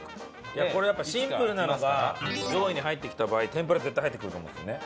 これやっぱシンプルなのが上位に入ってきた場合天ぷら絶対入ってくると思うんですよね。